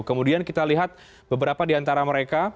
kemudian kita lihat beberapa di antara mereka